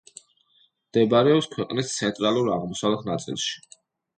მდებარეობს ქვეყნის ცენტრალურ-აღმოსავლეთ ნაწილში.